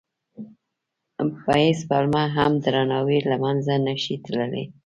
په هېڅ پلمه هم درناوی له منځه نه شي تللی.